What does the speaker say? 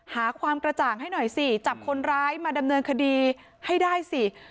หาความกระจ่างให้หน่อยสิจับคนร้ายมาดำเนินคดีให้ได้สิ